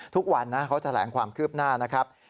ทุกวันนะเขาแถลงความคืบหน้านะครับ